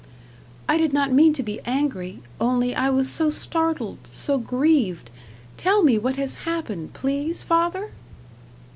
"I did not mean to be angry only I was so startled so grieved. Tell me what has happened, please, father?"